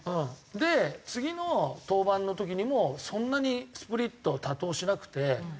で次の登板の時にもそんなにスプリットを多投しなくて。